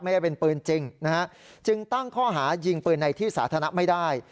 ไม่ได้เป็นปืนจริงนะฮะจึงตั้งข้อหายิงปืนในที่สาธารณะไม่ได้